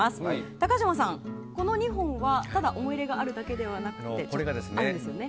高嶋さん、この２本はただ、思い入れがあるだけではないんですよね。